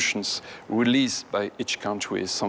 ของเฉพาะรอดของทุกกลุ่ม